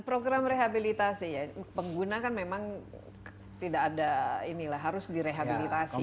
program rehabilitasi ya pengguna kan memang tidak ada inilah harus direhabilitasi